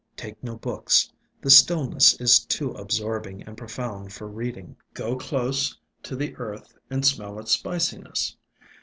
Take no books. The stillness is too ab sorbing and profound for reading. Go close to the earth and smell its spiciness.